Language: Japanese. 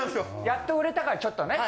やっと売れたからちょっとね。